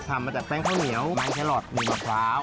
ทำมาจากแป้งข้าวเหนียวแป้งแครอทมีมะพร้าว